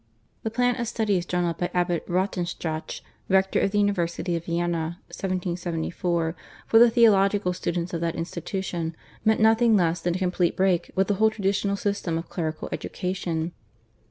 The plan of studies drawn up by Abbot Rautenstrauch, rector of the University of Vienna (1774), for the theological students of that institution meant nothing less than a complete break with the whole traditional system of clerical education.